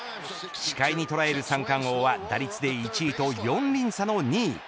視界に捉える三冠王は打率で１位と４厘差の２位。